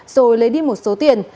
rồi lấy đi một số tiền